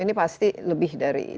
ini pasti lebih dari